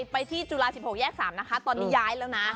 ไปที่จุฬา๑๖แยก๓นะคะตอนนี้ย้ายแล้วนะ